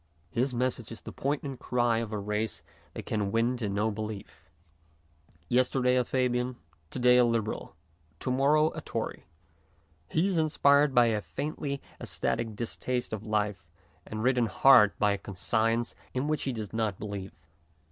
His message is the poignant cry of a race that can win to no belief. Yesterday a Fabian, to day a Liberal, to morrow a Tory, he is inspired by a faintly aesthetic distaste of life and ridden hard by a conscience in THE AGE OF DISENCHANTMENT 103 which he does not believe.